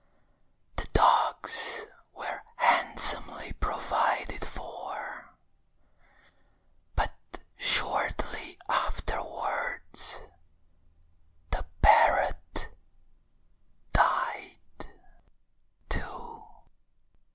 The dogs were handsomely provided for, But shortly afterwards the parrot died too.